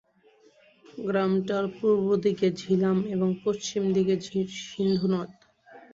গ্রামটির পূর্ব দিকে ঝিলাম এবং পশ্চিম দিকে সিন্ধু নদ।